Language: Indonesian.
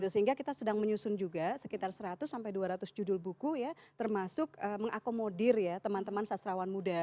sehingga kita sedang menyusun juga sekitar seratus sampai dua ratus judul buku ya termasuk mengakomodir ya teman teman sastrawan muda